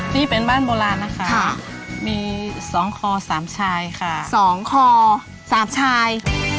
นี่เป็นบ้านโบราณนะคะค่ะมีสองคอสามชายค่ะสองคอสามชาย